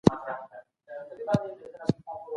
خپل ماشومان ښوونځي ته وليږئ.